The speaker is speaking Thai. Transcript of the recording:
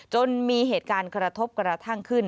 จนมีเหตุการณ์กระทบกระทั่งขึ้น